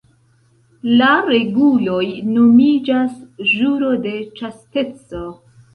La reguloj nomiĝas "ĵuro de ĉasteco".